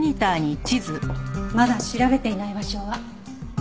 まだ調べていない場所は。